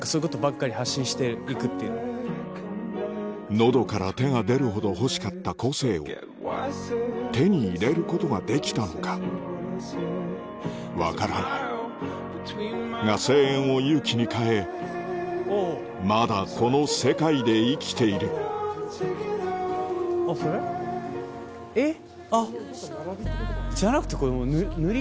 喉から手が出るほど欲しかった個性を手に入れることができたのか分からないが声援を勇気に変えまだこの世界で生きているえっあっ。